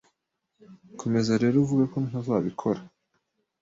Komeza rero uvuge ko ntazabikora